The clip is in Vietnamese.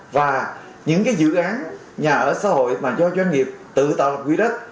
và những dự án nhà ở xã hội mà do doanh nghiệp tự tạo quỹ đất